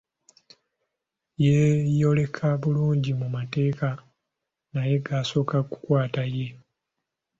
Yeeyoleka bulungi mu amateeka naye gaasooka ku kwata ye.